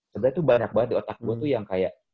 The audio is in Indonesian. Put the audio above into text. sebenernya tuh banyak banget di otak gue tuh yang kayak